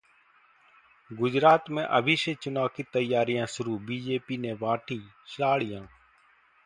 गुजरात में अभी से चुनाव की तैयारियां शुरू, बीजेपी ने बांटी साड़ियां